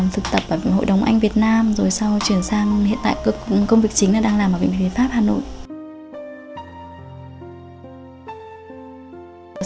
thực tập bởi hội đồng anh việt nam rồi sau chuyển sang hiện tại công việc chính là đang làm ở bệnh viện pháp hà nội